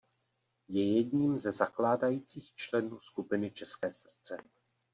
Je jedním ze zakládajících členů skupiny České srdce.